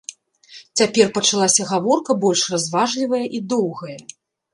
Цяпер пачалася гаворка больш разважлівая і доўгая.